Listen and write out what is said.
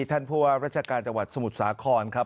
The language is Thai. ท่านผู้ว่าราชการจังหวัดสมุทรสาครครับ